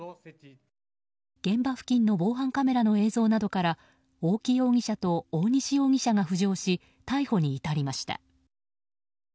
現場付近の防犯カメラの映像などから大木容疑者と大西容疑者が浮上し逮捕に至りました。